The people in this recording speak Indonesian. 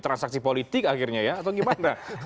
transaksi politik akhirnya ya atau gimana